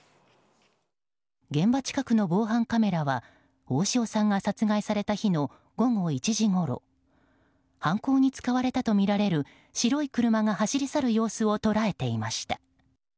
現場近くの防犯カメラは大塩さんが殺害された日の午後１時ごろ犯行に使われたとみられる白い車が走り去る様子を捉えていました。